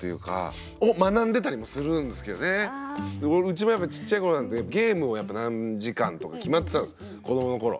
うちもやっぱちっちゃいころなんてゲームをやっぱ何時間とか決まってたんです子どもの頃。